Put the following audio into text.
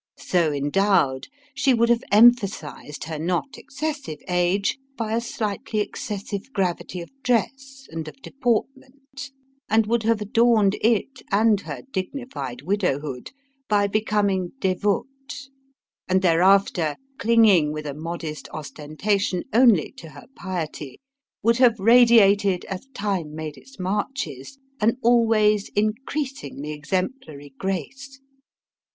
So endowed, she would have emphasized her not excessive age by a slightly excessive gravity of dress and of deportment; and would have adorned it, and her dignified widowhood, by becoming dévote: and thereafter, clinging with a modest ostentation only to her piety, would have radiated, as time made its marches, an always increasingly exemplary grace.